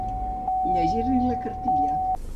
Llegir-li la cartilla.